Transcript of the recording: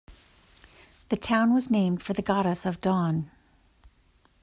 The town was named for the goddess of dawn.